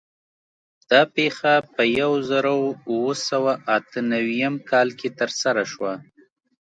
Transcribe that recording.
دا پېښه په یو زرو اوه سوه اته نوي م کال کې ترسره شوه.